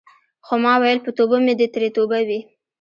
خو ما ویل په توبو مې دې ترې توبه وي.